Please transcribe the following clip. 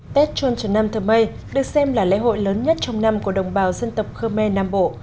tết chôn trần nam thơ mê được xem là lễ hội lớn nhất trong năm của đồng bào dân tộc khmer nam bộ